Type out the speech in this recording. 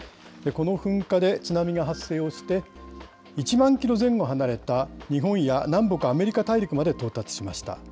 この噴火で津波が発生をして、１万キロ前後離れた日本や南北アメリカ大陸まで到達しました。